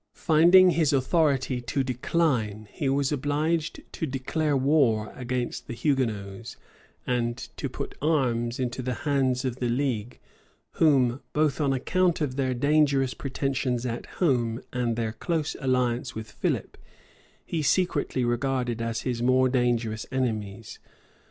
Finding his authority to decline, he was obliged to declare war against the Hugonots, and to put arms into the hands of the league, whom, both on account of their dangerous pretensions at home and their close alliance with Philip, he secretly regarded as his more dangerous enemies.